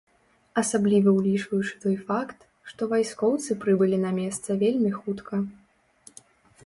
Асабліва ўлічваючы той факт, што вайскоўцы прыбылі на месца вельмі хутка.